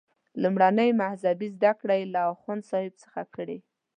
لومړنۍ مذهبي زده کړې یې له اخوندصاحب څخه کړي.